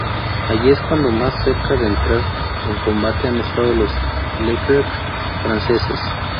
Allí es cuando más cerca de entrar en combate han estado los Leclerc franceses.